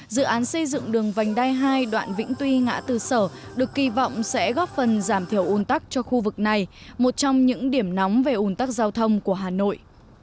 dự án xây dựng đường vành đai hai đoạn vĩnh tuy ngã tư sở được kỳ vọng sẽ góp phần giảm thiểu un tắc cho khu vực này một trong những điểm nóng về ủn tắc giao thông của hà nội